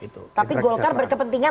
tapi golkar berkepentingan